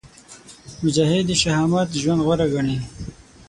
مجاهد د شهامت ژوند غوره ګڼي.